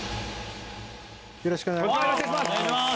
よろしくお願いします